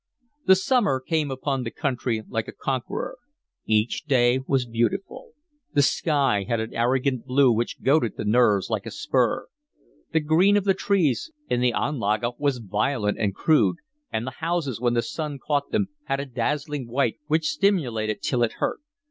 The summer came upon the country like a conqueror. Each day was beautiful. The sky had an arrogant blue which goaded the nerves like a spur. The green of the trees in the Anlage was violent and crude; and the houses, when the sun caught them, had a dazzling white which stimulated till it hurt.